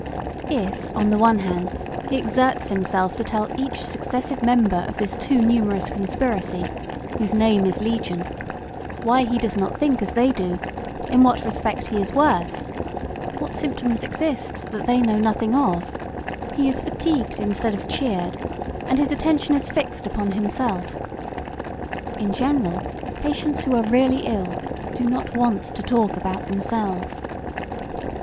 If, on the one hand, he exerts himself to tell each successive member of this too numerous conspiracy, whose name is legion, why he does not think as they do, in what respect he is worse, what symptoms exist that they know nothing of, he is fatigued instead of "cheered," and his attention is fixed upon himself. In general, patients who are really ill, do not want to talk about themselves.